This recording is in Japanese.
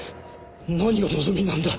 何が望みなんだ？